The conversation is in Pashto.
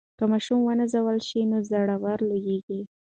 که ماشومان ونازول سي نو زړور لویېږي.